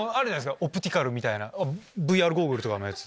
オプティカルみたいなＶＲゴーグルとかのやつ。